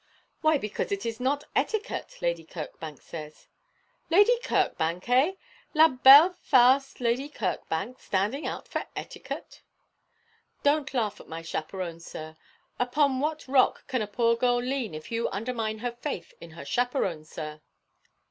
'Why, because it is not etiquette, Lady Kirkbank says.' 'Lady Kirkbank, eh? la belle farce, Lady Kirkbank standing out for etiquette.' 'Don't laugh at my chaperon, sir. Upon what rock can a poor girl lean if you undermine her faith in her chaperon, sir.'